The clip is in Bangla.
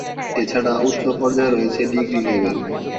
এছাড়া উচ্চ পর্যায়ে রয়েছে ডিগ্রি লেভেল।